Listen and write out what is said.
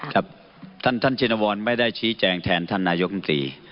ครับท่านท่านชินวรไม่ได้ชี้แจงแทนท่านนายกรรมตรี